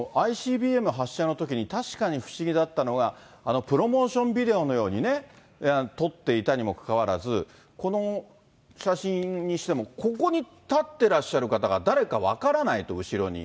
このＩＣＢＭ発射のときに、確かに不思議だったのが、プロモーションビデオのように撮っていたにもかかわらず、この写真にしても、ここに立ってらっしゃる方が誰か分からないと、後ろに。